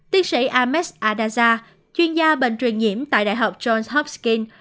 tiến sĩ ahmed adaza chuyên gia bệnh truyền nhiễm tại đại học johns hopsking